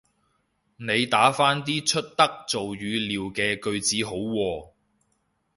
你打返啲出得做語料嘅句子好喎